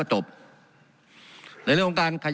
การปรับปรุงทางพื้นฐานสนามบิน